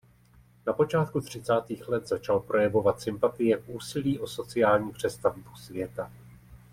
Na počátku třicátých letech začal projevovat sympatie k úsilí o sociální přestavbu světa.